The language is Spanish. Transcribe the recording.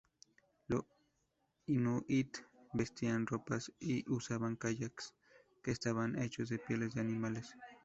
Los inuit vestían ropas y usaban kayaks que estaban hechos de pieles de animales.